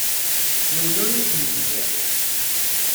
Yiwen ur yi-d-yetbiε.